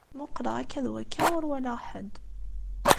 Muqleɣ akka d wakka, ur walaɣ ḥedd.